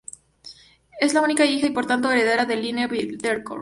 Es la única hija y por tanto heredera de Liliane Bettencourt.